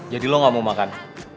jadi lo gak mau makan